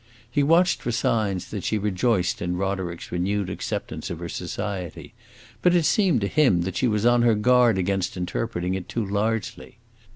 He watched for signs that she rejoiced in Roderick's renewed acceptance of her society; but it seemed to him that she was on her guard against interpreting it too largely.